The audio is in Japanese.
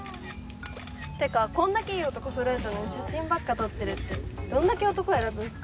てかこんだけいい男揃えたのに写真ばっか撮ってるってどんだけ男選ぶんすか？